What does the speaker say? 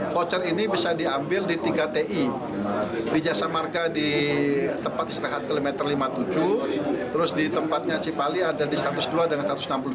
voucher ini bisa diambil di tiga ti di jasa marga di tempat istirahat kilometer lima puluh tujuh terus di tempatnya cipali ada di satu ratus dua dengan satu ratus enam puluh tujuh